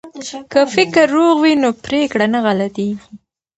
که فکر روغ وي نو پریکړه نه غلطیږي.